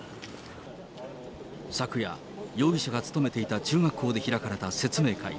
昨夜、容疑者が勤めていた中学校で開かれた説明会。